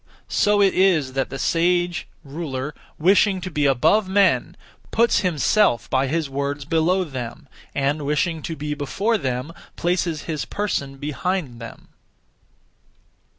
So it is that the sage (ruler), wishing to be above men, puts himself by his words below them, and, wishing to be before them, places his person behind them.